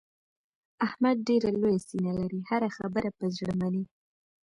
احمد ډېره لویه سینه لري. هره خبره په زړه مني.